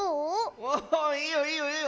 おいいよいいよいいよ！